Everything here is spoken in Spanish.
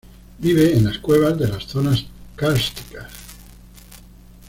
Vive en las cuevas de las zonas kársticas.